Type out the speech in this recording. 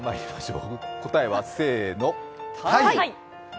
答えは、せーの、タイ。